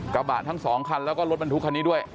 กระบาดทั้ง๒คันแล้วก็รถมันทุกคันนี้ด้วย